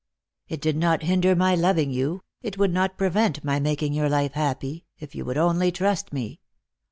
" It did not hinder my loving you — it would not prevent my making your life happy — if you would only trust me.